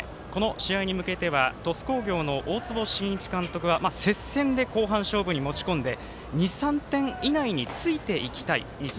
試合前、この試合に向けて鳥栖工業の大坪慎一監督は接戦で、後半勝負に持ち込んで２３点以内についていきたい。